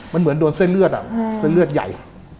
มันเหมือนโดนเส้นเลือดเส้นเลือดใหญ่